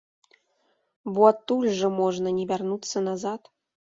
Бо адтуль жа можна не вярнуцца назад.